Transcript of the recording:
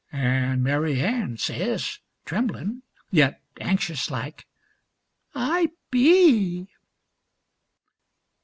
'" An' Mary Ann says, tremblin, yet anxious like, "I be."